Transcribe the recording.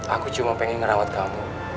aku cuma pengen merawat kamu